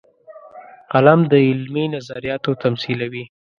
قلم د علمي نظریاتو تمثیلوي